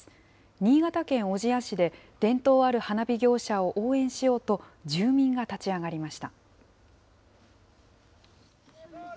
新潟県小千谷市で伝統ある花火業者を応援しようと、住民が立ち上がりました。